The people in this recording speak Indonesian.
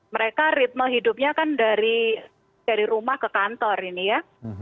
mereka ritme hidupnya kan dari rumah ke kantor ini ya